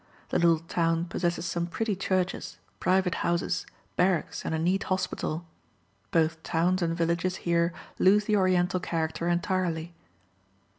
The little town possesses some pretty churches, private houses, barracks, and a neat hospital. Both towns and villages here lose the Oriental character entirely.